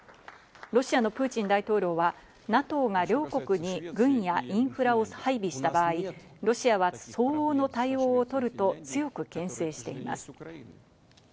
ロシアのプーチン大統領はＮＡＴＯが両国に軍やインフラを配備した場合、ロシアは相応の対応を取ると強く牽制しています。